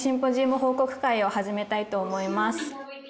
報告会を始めたいと思います。